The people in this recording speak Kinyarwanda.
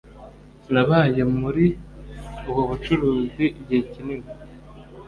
nabaye muri ubu bucuruzi igihe kinini